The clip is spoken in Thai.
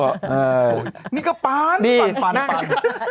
โหนี่ก็ปันนี่น้ำปันพี่น้ำปัน